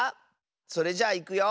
それじゃあいくよ。